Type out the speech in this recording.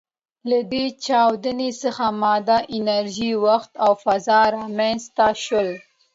له دې چاودنې څخه ماده، انرژي، وخت او فضا رامنځ ته شول.